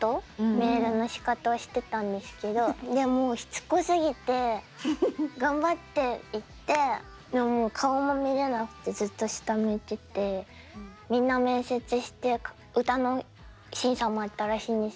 メールのシカトをしてたんですけどでもうしつこすぎて頑張って行ってでもう顔も見れなくてずっと下向いててみんな面接して歌の審査もあったらしいんですけど